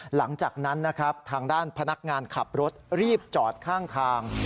หลังจากนั้นนะครับทางด้านพนักงานขับรถรีบจอดข้างทาง